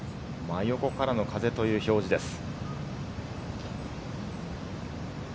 真横からの風という表示です。